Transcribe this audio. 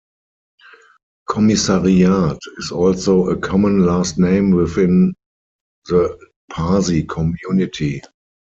Commissariat is also a common last name within the Parsi community.